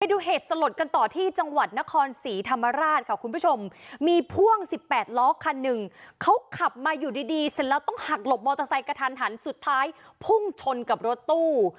ดูเหตุสลดกันต่อที่จังหวัดนครศรีธรรมราชค่ะคุณผู้ชมมีพ่วง๑๘ล้อคันหนึ่งเขาขับมาอยู่ดีดีเสร็จแล้วต้องหักหลบมอเตอร์ไซค์กระทันหันสุดท้ายพุ่งชนกับรถตู้